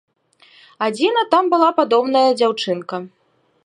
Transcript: Адзіна, там была падобная дзяўчынка.